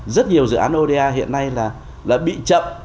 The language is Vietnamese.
rất nhiều dự án oda hiện nay là bị chậm